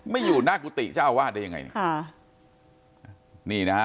ไม่อยู่หน้ากุฏิเจ้าวาดได้ยังไง